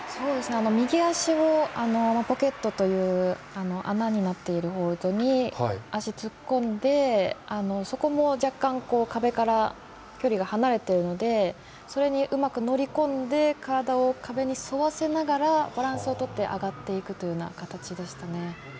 右足をポケットと呼ばれる穴になっているポイントに足を突っ込んで、そこも若干壁から距離が離れているのでそれにうまく乗り込んで体を壁に沿ってバランスを取って上がっていくというような形でしたね。